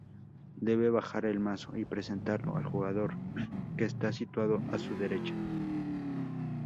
Debe barajar el mazo y presentarlo al jugador que está situado a su derecha.